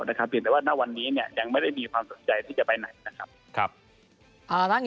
แต่ว่าในวันนี้ยังไม่ได้มีความสนใจที่จะไปไหน